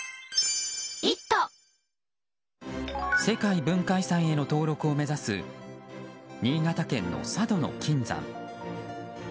世界文化遺産への登録を目指す新潟県の佐渡島の金山。